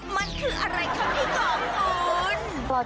มันคืออะไรครับพี่ก่อนคุณ